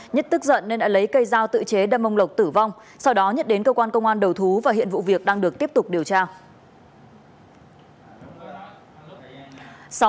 nhất tức giận nên đã lấy cây dao tự chế đâm ông lộc tử vong sau đó nhận đến cơ quan công an đầu thú và hiện vụ việc đang được tiếp tục điều tra